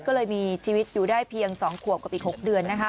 ก็เลยมีชีวิตอยู่ได้เพียง๒ขวบกับอีก๖เดือน